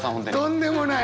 とんでもない！